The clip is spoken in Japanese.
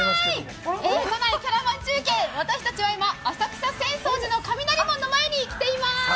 都内キャラバン中継浅草、浅草寺雷門の前に来ています。